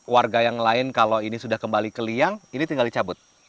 warga yang lain kalau ini sudah kembali ke liang ini tinggal dicabut